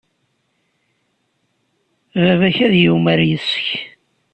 Baba-k ad yumar yes-k.